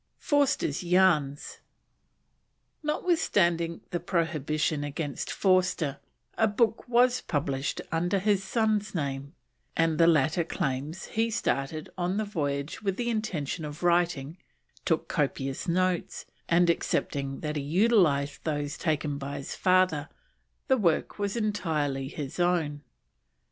FORSTER'S YARNS. Notwithstanding the prohibition against Forster, a book was published under his son's name, and the latter claims that he started on the voyage with the intention of writing, took copious notes, and, excepting that he utilised those taken by his father, the work was entirely his own.